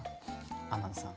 天野さん。